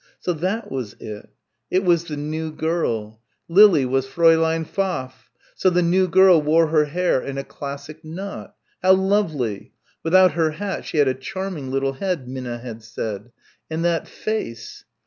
So that was it. It was the new girl. Lily, was Fräulein Pfaff. So the new girl wore her hair in a classic knot. How lovely. Without her hat she had "a charming little head," Minna had said. And that face.